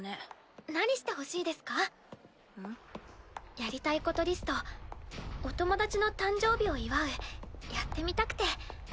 やりたいことリスト「お友達の誕生日を祝う」やってみたくて。